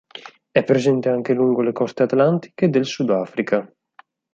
È presente anche lungo le coste atlantiche del Sudafrica.